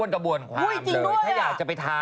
สนุนโดยดีที่สุดคือการให้ไม่สิ้นสุด